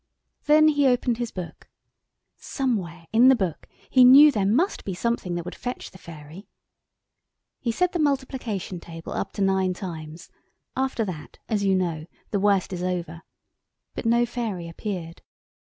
Then he opened his book. Somewhere in the book he knew there must be something that would fetch the fairy. He said the Multiplication Table up to nine times after that, as you know, the worst is over. But no fairy appeared.